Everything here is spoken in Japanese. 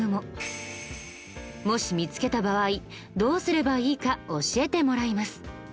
もし見つけた場合どうすればいいか教えてもらいます。